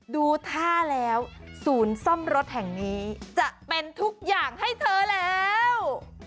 ดูท่าแล้วศูนย์ซ่อมรถแห่งนี้จะเป็นทุกอย่างให้เธอแล้ว